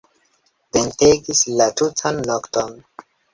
Ventegis la tutan nokton.